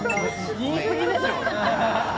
「言いすぎでしょ」